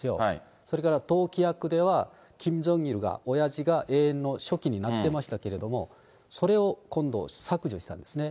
それから党規約では、キム・ジョンイルが、おやじが永遠の書記になってましたけども、それを今度、削除したんですね。